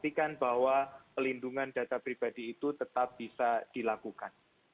memastikan bahwa pelindungan data pribadi itu tetap bisa dilakukan